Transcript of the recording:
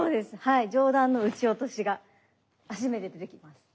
上段の打ち落としが初めて出てきます。